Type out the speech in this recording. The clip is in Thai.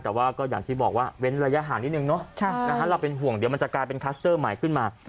แต่ว่าก็อย่างที่บอกว่าเว้นระยะห่างนิดนึงเนาะเราเป็นห่วงเดี๋ยวมันจะกลายเป็นคลัสเตอร์ใหม่ขึ้นมา